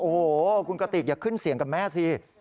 โอ้โหคุณกติกอย่าขึ้นเสียงกับแม่สิ